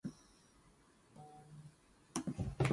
There are two versions of his death and Dionysus's reaction to it.